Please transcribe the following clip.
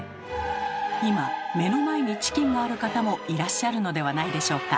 今目の前にチキンがある方もいらっしゃるのではないでしょうか？